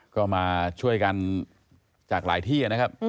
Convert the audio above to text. ก็มาช่วยกันจากหลายที่นะครับ